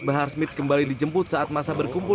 bahar smith kembali dijemput saat masa berkumpul